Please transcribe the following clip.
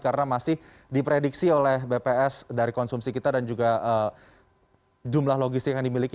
karena masih diprediksi oleh bps dari konsumsi kita dan juga jumlah logis yang dimiliki